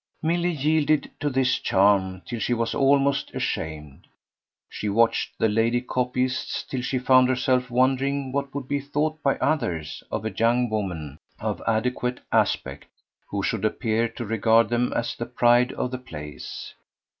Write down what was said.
Milly yielded to this charm till she was almost ashamed; she watched the lady copyists till she found herself wondering what would be thought by others of a young woman, of adequate aspect, who should appear to regard them as the pride of the place.